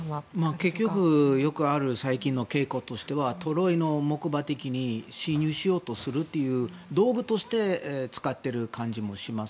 結局よくある最近の傾向としてはトロイの木馬的に侵入しようとするという道具として使っている感じもします。